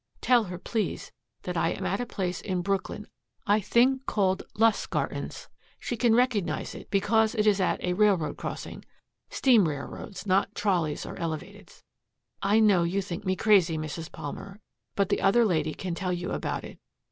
"Tell her please, that I am at a place in Brooklyn, I think, called Lustgarten's she can recognize it because it is at a railroad crossing steam railroads, not trolleys or elevateds. "I know you think me crazy, Mrs. Palmer, but the other lady can tell you about it.